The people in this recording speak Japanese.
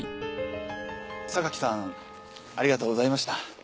榊さんありがとうございました。